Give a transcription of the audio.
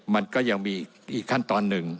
มันก็ยังมีอีกขั้นตอนหนึ่ง